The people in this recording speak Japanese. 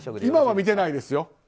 今は見てないですよ。